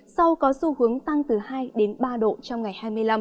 sau có xu hướng tăng từ hai đến ba độ trong ngày hai mươi năm